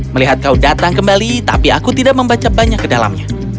melihat kau datang kembali tapi aku tidak membaca banyak ke dalamnya